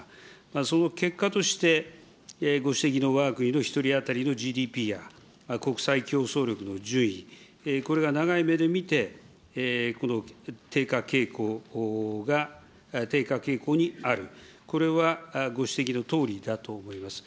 その結果として、ご指摘のわが国の１人当たりのＧＤＰや国際競争力の順位、これが長い目で見て、低下傾向が、低下傾向にある、これはご指摘のとおりだと思います。